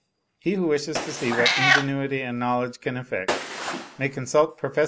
He who wishes to see what ingenuity and knowledge can effect, may consult Prof. Haeckel's works.